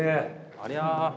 ありゃ。